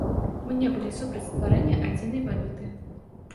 Мы не былі супраць стварэння адзінай валюты.